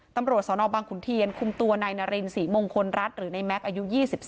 ตำรวจสนบังขุนเทียนคุมตัวนายนารินศรีมงคลรัฐหรือในแม็กซ์อายุ๒๒